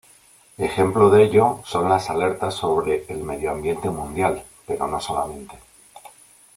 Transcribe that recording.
Ejemplo de ello son las alertas sobre el medioambiente mundial, pero no solamente.